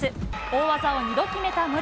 大技を２度決めた森。